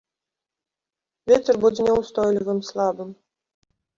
Вецер будзе няўстойлівым, слабым.